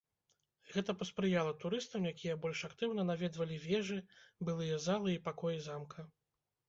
Гэта паспрыяла турыстам, якія больш актыўна наведвалі вежы, былыя залы і пакоі замка.